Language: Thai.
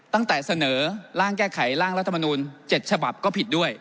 ตั้งแต่เสนอร่างแก้ไขร่างรัฐมนูล๗ฉบับก็ผิดด้วย